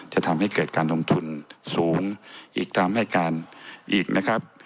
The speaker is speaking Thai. จะทำให้เกิดการลงทุนสูงอีกตามให้การอีกนะครับ